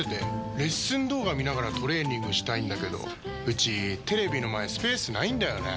レッスン動画見ながらトレーニングしたいんだけどうちテレビの前スペースないんだよねー。